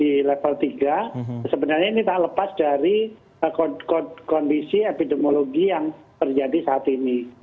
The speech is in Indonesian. di level tiga sebenarnya ini tak lepas dari kondisi epidemiologi yang terjadi saat ini